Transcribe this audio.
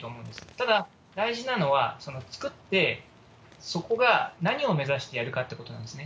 ただ、大事なのは、作って、そこが何を目指してやるかってことなんですね。